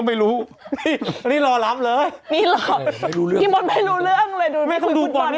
แน่อยู่หรอนดถึงขั้น